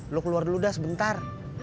lu keluar dulu dah sebentar